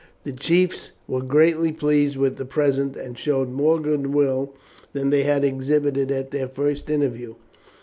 The chiefs were greatly pleased with the present, and showed more goodwill than they had exhibited at their first interview.